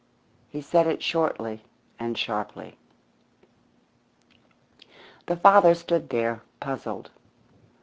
He said it shortly and sharply. The father stood there, puzzled.